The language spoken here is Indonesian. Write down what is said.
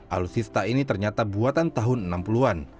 alutsista ini ternyata buatan tahun enam puluh an